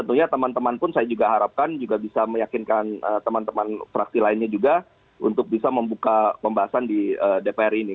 untuk bisa membuka pembahasan di dpr ini